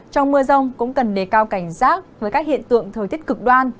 trong mưa rông cũng cần đề cao cảnh giác với các hiện tượng thời tiết cực đoan